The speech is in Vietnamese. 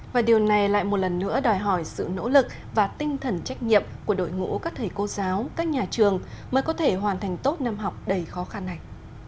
và điều này lại một lần nữa đòi hỏi sự nỗ lực và tinh thần trách nhiệm của đội ngũ các thầy cô giáo các nhà trường mới có thể hoàn thành tốt năm học đầy khó khăn này